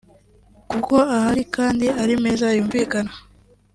kuko ahari kandi ari meza yumvikana